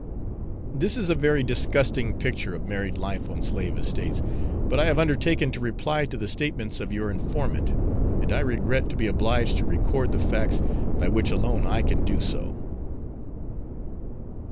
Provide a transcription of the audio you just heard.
This is a very disgusting picture of married life on slave estates: but I have undertaken to reply to the statements of your informant, and I regret to be obliged to record the facts by which alone I can do so.